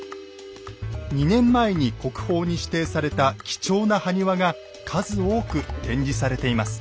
２年前に国宝に指定された貴重な埴輪が数多く展示されています。